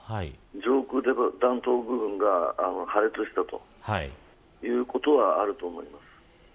上空で弾頭部分が破裂したということは、あると思います。